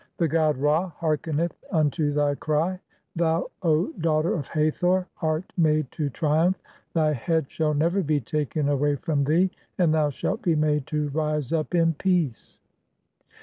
The god (4) Ra hearkeneth unto thy cry, (4) "thou, O daughter of Hathor, art made to triumph, thy head "shall never be taken away from thee, and thou shalt be made "to rise up in peace."